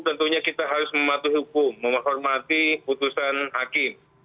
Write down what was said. tentunya kita harus mematuhi hukum menghormati putusan hakim